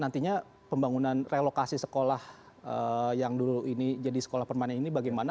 nantinya pembangunan relokasi sekolah yang dulu ini jadi sekolah permanen ini bagaimana